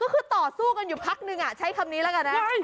คือต่อสู้กันอยู่พักนึงใช้คำนี้แล้วกันนะ